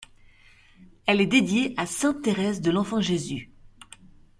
Elle est dédiée à sainte Thérèse de l'Enfant-Jésus.